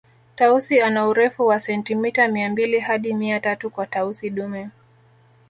Tausi ana urefu wa sentimeta mia mbili hadi mia tatu kwa Tausi dume